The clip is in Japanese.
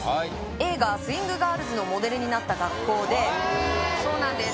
映画スウィングガールズのモデルになっへえーそうなんです